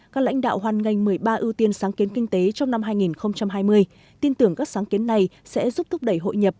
các lãnh đạo hoàn ngành một mươi ba ưu tiên sáng kiến kinh tế trong năm hai nghìn hai mươi tin tưởng các sáng kiến này sẽ giúp thúc đẩy hội nhập